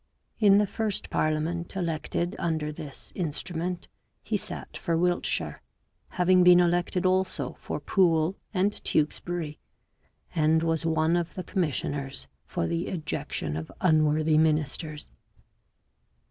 In the first parliament elected under this " Instrument " he sat for Wiltshire, having been elected also for Poole and Tewkesbury, and was one of the commissioners for the ejection of unworthy ministers.